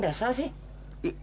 nggak ada yang datang sih